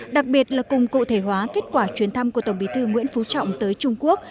đặc biệt là cùng cụ thể hóa kết quả chuyến thăm của tổng bí thư nguyễn phú trọng tới trung quốc